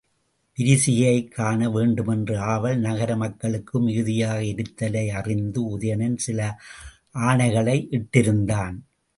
விரிசிகையைக் காண வேண்டுமென்ற ஆவல் நகர மக்களுக்கு மிகுதியாக இருத்தலை அறிந்து உதயணன் சில ஆணைகளை இட்டிருந்தான்.